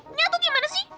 ih nyatu gimana sih